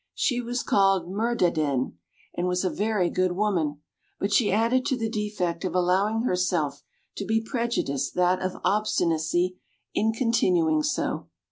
She was called Mirdandenne, and was a very good woman, but she added to the defect of allowing herself to be prejudiced that of obstinacy in continuing so.